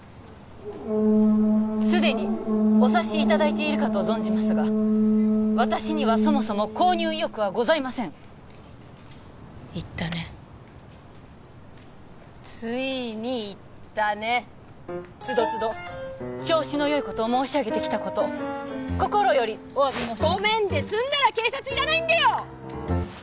すでにお察しいただいているかと存じますが私にはそもそも購入意欲はございません言ったねついに言ったね都度都度調子のよいことを申し上げてきたこと心よりお詫び申し上げますごめんで済んだら警察いらないんだよ！